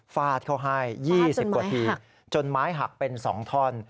ฟาดเขาให้๒๐กว่าทีจนไม้หักเป็น๒ท่อน